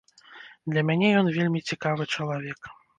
Для мене ён вельмі цікавы чалавек.